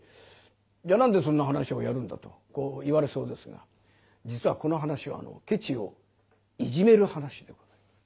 じゃあ何でそんな噺をやるんだとこう言われそうですが実はこの噺はケチをいじめる噺でございます。